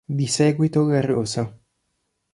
Di seguito la rosa.